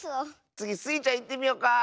つぎスイちゃんいってみよか！